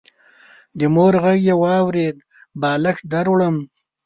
د مور غږ يې واورېد: بالښت دروړم.